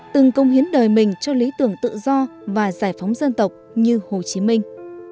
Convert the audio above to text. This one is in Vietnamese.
từng công hiến đời mình cho lý tưởng tự do và giải phóng dân tộc như hồ chí minh